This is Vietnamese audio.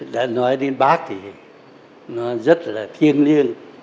đã nói đến bác thì nó rất là thiên liêng